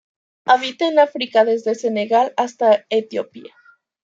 Habita en África desde Senegal hasta Etiopía.